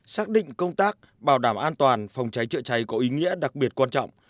xác định công tác bảo đảm an toàn phòng cháy chữa cháy có ý nghĩa đặc biệt quan trọng